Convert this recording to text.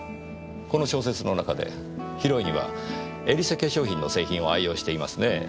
この小説の中でヒロインはエリセ化粧品の製品を愛用していますねぇ。